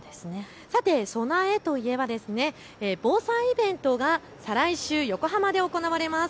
さて備えといえば、防災イベントが再来週、横浜で行われます。